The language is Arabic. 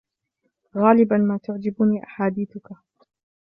غالبا ما تعجبني أحاديثك